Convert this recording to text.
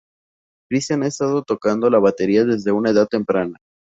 Christian ha estado tocando la batería desde una edad temprana.